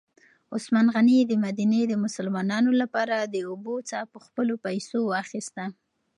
عثمان غني د مدینې د مسلمانانو لپاره د اوبو څاه په خپلو پیسو واخیسته.